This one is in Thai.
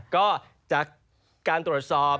ก็จากการตรวจสอบ